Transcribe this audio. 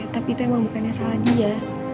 tapi itu emang bukannya salah dia